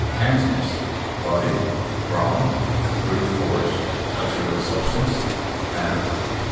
Antonyms: body, brawn, brute force, material substance, matter.